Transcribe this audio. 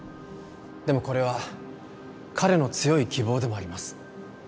でもこれは彼の強い希望でもあります